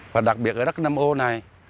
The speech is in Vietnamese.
và đặc biệt ở đất năm ô này